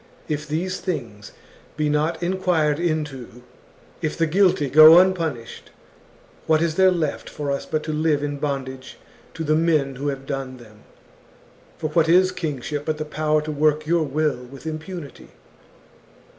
If these things be not enquired into, if the guilty go unpunished, what is there left for us but to live in bondage to the men who have done them. * For what is kingship, but the power to work your will with impunity